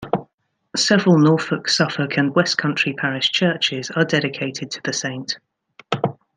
Several Norfolk, Suffolk and West Country parish churches are dedicated to the saint.